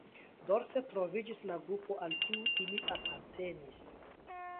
Dorse troviĝis la grupo al kiu ili apartenis.